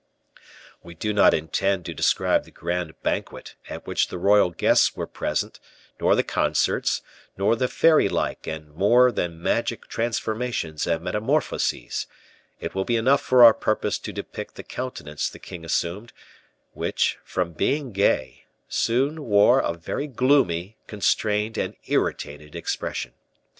We do not intend to describe the grand banquet, at which the royal guests were present, nor the concerts, nor the fairy like and more than magic transformations and metamorphoses; it will be enough for our purpose to depict the countenance the king assumed, which, from being gay, soon wore a very gloomy, constrained, and irritated expression.